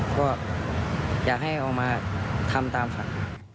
ก็อยากให้เอามาทำตามฝัน